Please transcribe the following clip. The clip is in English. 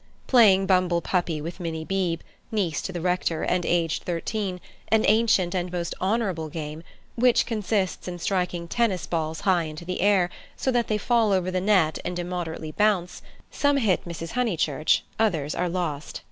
Playing bumble puppy with Minnie Beebe, niece to the rector, and aged thirteen—an ancient and most honourable game, which consists in striking tennis balls high into the air, so that they fall over the net and immoderately bounce; some hit Mrs. Honeychurch; others are lost.